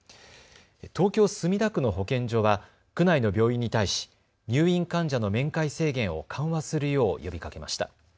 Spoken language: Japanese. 東京墨田区の保健所は区内の病院に対し入院患者の面会制限を緩和するよう呼びかけました。